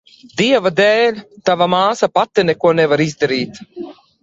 Dieva dēļ, tava māsa pati neko nevar izdarīt.